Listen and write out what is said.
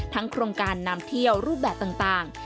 โครงการนำเที่ยวรูปแบบต่าง